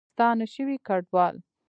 ستانه شوي کډوال